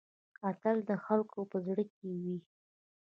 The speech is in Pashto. اتل د خلکو په زړه کې وي؟